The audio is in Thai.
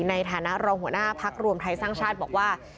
ในฐานะรองหัวหน้าพักรวมไทยสร้างชาติบอกว่า